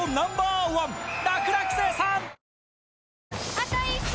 あと１周！